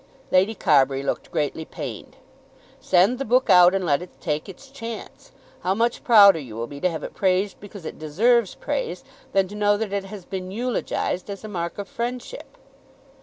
Lady Carbury looked greatly pained. "Send the book out, and let it take its chance. How much prouder you will be to have it praised because it deserves praise, than to know that it has been eulogised as a mark of friendship."